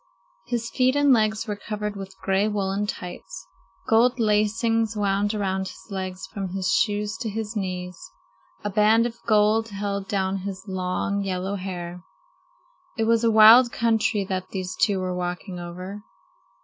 His feet and legs were covered with gray woolen tights. Gold lacings wound around his legs from his shoes to his knees. A band of gold held down his long, yellow hair. It was a wild country that these two were walking over.